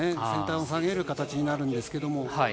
先端を下げる形になるんですけど。